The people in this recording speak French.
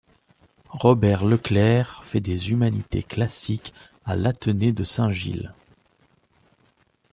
Robert Leclercq fait des humanités classiques à l'athenée de Saint-Gilles.